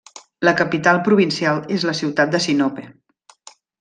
La capital provincial és la ciutat de Sinope.